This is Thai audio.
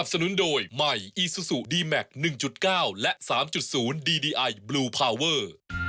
บลูพาวเวอร์